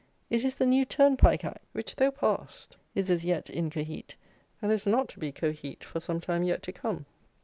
It is the New Turnpike Act, which, though passed, is as yet "incohete;" and is not to be cohete for some time yet to come.